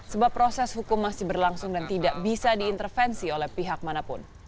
sebab proses hukum masih berlangsung dan tidak bisa diintervensi oleh pihak manapun